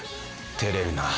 照れるな。